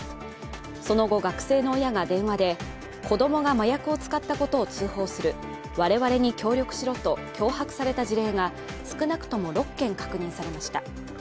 その後、学生の親が電話で子供が麻薬を使ったことを通報する我々に協力しろと脅迫された事例が少なくとも６件確認されました。